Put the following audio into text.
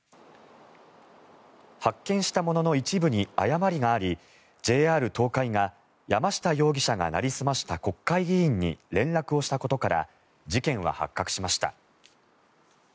発券したものの一部に誤りがありＪＲ東海が山下容疑者がなりすました国会議員に連絡をしたことから事件は発覚しました。